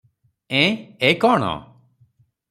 ‘ଏଁ – ଏ କଅଣ?